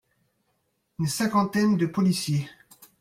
Une cinquantaine de policiers.